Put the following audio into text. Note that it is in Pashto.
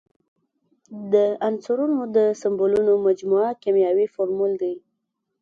د عنصرونو د سمبولونو مجموعه کیمیاوي فورمول دی.